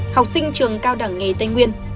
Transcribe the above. học sinh trường cao đẳng nghề tây nguyên